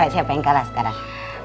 siapa yang kalah sekarang